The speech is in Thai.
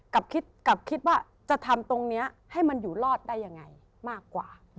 กลับคิดว่าจะทำตรงนี้ให้มันอยู่รอดได้ยังไงมากกว่า